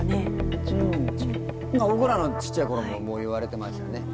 僕らの小っちゃい頃ももう言われてましたね。